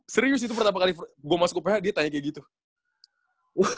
serius itu pertama kali gue masuk uph dia tanya kayak gitu dia kayak apa